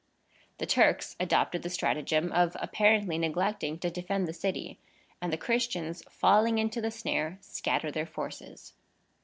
The Turks adopted the stratagem of apparently neglecting to defend the city; and the Christians, falling into the snare, scattered their forces.